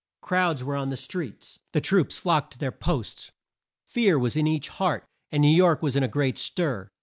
Crowds were on the streets. The troops flocked to their posts. Fear was in each heart, and New York was in a great stir.